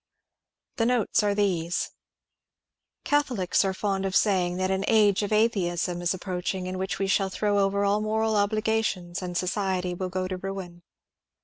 The notes are these :— Catholics are fond of sayine that an 2Lse of atheism is ap proaching, in which we shall throw over aU moral obligation^ and society will go to ruin.